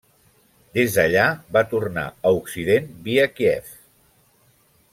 Des d'allà va tornar a Occident via Kíev.